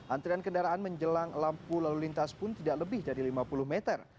antrian kendaraan menjelang lampu lalu lintas pun tidak lebih dari lima puluh meter